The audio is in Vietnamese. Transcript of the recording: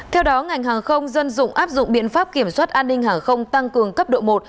theo đó ngành hàng không dân dụng áp dụng biện pháp kiểm soát an ninh hàng không tăng cường cấp độ một